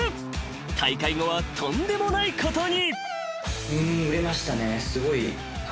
大会後はとんでもないことに］